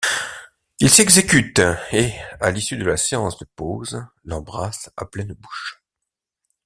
Il s'exécute, et, à l'issue de la séance de pose, l'embrasse à pleine bouche.